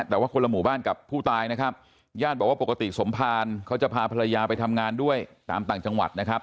แต่ว่าคนละหมู่บ้านกับผู้ตายนะครับญาติบอกว่าปกติสมภารเขาจะพาภรรยาไปทำงานด้วยตามต่างจังหวัดนะครับ